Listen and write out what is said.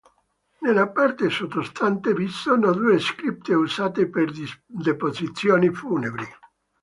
Nella parte sottostante vi sono due cripte usate per deposizioni funebri.